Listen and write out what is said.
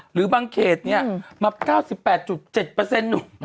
หรือบางเขตมับ๙๘๗หนู